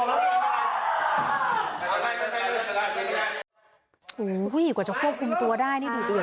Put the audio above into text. คุณผู้หญิงกว่าจะควบคุมตัวได้